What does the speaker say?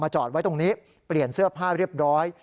จอดไว้ตรงนี้เปลี่ยนเสื้อผ้าเรียบร้อย